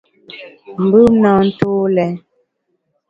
Mbùm na ntô lèn.